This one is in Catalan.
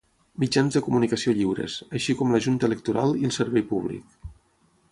Mitjans de comunicació lliures, així com la junta electoral i el servei públic.